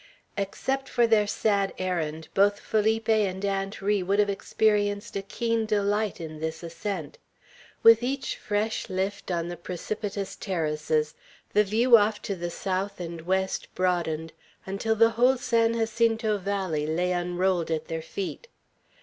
Except for their sad errand, both Felipe and Aunt Ri would have experienced a keen delight in this ascent. With each fresh lift on the precipitous terraces, the view off to the south and west broadened, until the whole San Jacinto Valley lay unrolled at their feet.